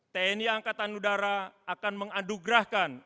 tni angkatan udara akan mengadugrahkan